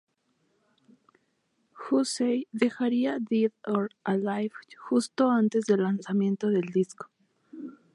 Hussey dejaría Dead or Alive justo antes del lanzamiento del disco.